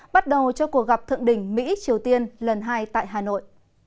bắt đầu cho cuộc gặp thượng đỉnh mỹ triều tiên lần hai tại hà nội